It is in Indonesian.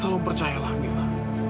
tolong percayalah mila